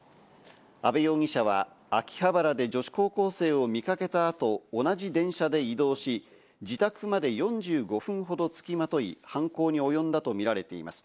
阿部容疑者は秋葉原で女子高校生を見掛けた後、同じ電車で移動し、自宅まで４５分ほどつきまとい、犯行に及んだとみられています。